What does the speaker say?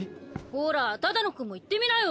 ほら只野くんも言ってみなよ。